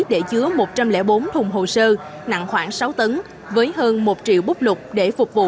để chứa một trăm linh bốn thùng hồ sơ nặng khoảng sáu tấn với hơn một triệu búp lục để phục vụ